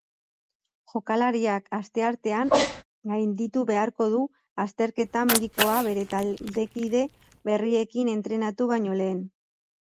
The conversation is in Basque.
Jokalariak asteartean gainditu beharko du azterketa medikoa bere taldekide berriekin entrenatu baino lehen.